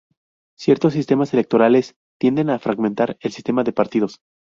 Ciertos sistemas electorales tienden a fragmentar el sistema de partidos.